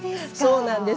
そうなんです。